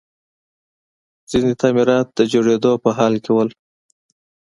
ځینې تعمیرات د جوړېدلو په حال کې وو